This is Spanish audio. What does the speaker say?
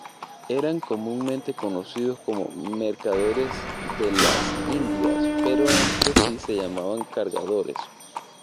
Eran comúnmente conocidos como mercaderes de las Indias, pero entre sí se llamaban cargadores.